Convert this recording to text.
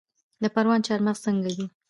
د پروان چارمغز څنګه دي؟